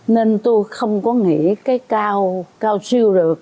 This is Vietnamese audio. nên tôi không có nghĩ cái cao cao siêu được